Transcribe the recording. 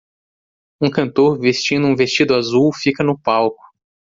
Um cantor vestindo um vestido azul fica no palco.